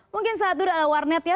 mungkin saat duduk ada warnet ya